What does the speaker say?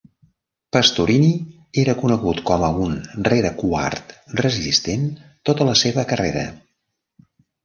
Pastorini era conegut com a un rerequart resistent tota la seva carrera.